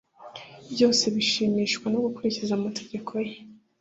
byose bishimishwa no gukurikiza amategeko ye